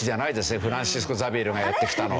フランシスコ・ザビエルがやって来たのは。